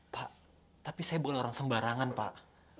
pak tapi saya boleh orang sembarangan pak